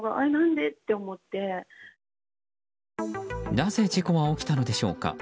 なぜ事故は起きたのでしょうか。